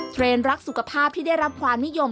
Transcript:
เทรนด์รักสุขภาพที่ได้รับความนิยม